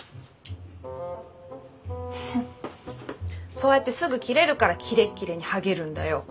そうやってすぐキレるからキレッキレにはげるんだよ。